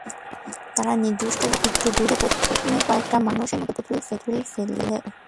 তারা নির্দিষ্ট জায়গার একটু দূরে প্রথমে কয়েকটা মানুষের মতো পুতুল ফেলল।